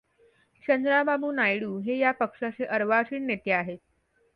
चंद्राबाबू नायडू हे या पक्षाचे अर्वाचीन नेते आहेत.